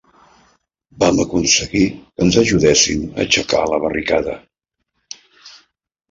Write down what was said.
Vam aconseguir que ens ajudessin a aixecar la barricada.